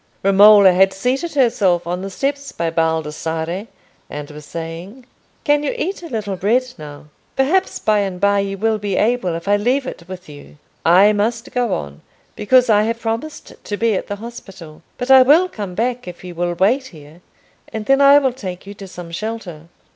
Romola had seated herself on the steps by Baldassarre, and was saying, "Can you eat a little bread now? perhaps by and by you will be able, if I leave it with you. I must go on, because I have promised to be at the hospital. But I will come back if you will wait here, and then I will take you to some shelter.